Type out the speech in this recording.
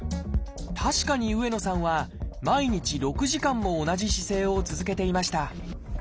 確かに上野さんは毎日６時間も同じ姿勢を続けていました。